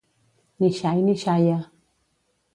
Ni xai ni xaia.